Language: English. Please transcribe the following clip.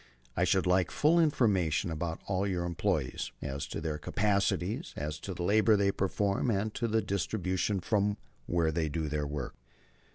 "I should like full information about all your employees, as to their capacities, as to the labor they perform, as to their distribution from and where they do their work."